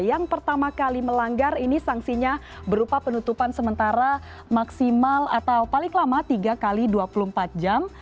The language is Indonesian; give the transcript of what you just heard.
yang pertama kali melanggar ini sanksinya berupa penutupan sementara maksimal atau paling lama tiga x dua puluh empat jam